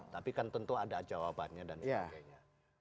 tapi kan tentu ada jawabannya dan sebagainya